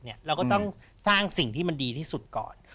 เราก็ต้องสร้างสิ่งที่มันดีที่สุดก่อน